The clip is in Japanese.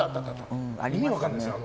意味分からないですよね